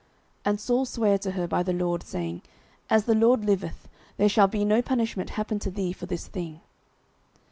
09:028:010 And Saul sware to her by the LORD, saying, As the LORD liveth, there shall no punishment happen to thee for this thing.